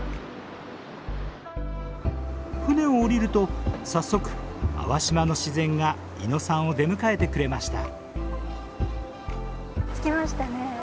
船を降りると早速粟島の自然が伊野さんを出迎えてくれました。